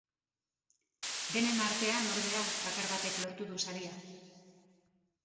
Denen artean, ordea, bakar batek lortu du saria.